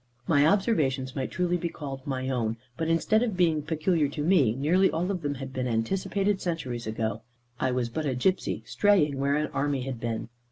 My observations might truly be called my own; but instead of being peculiar to me, nearly all of them had been anticipated centuries ago. I was but a gipsey straying where an army had been.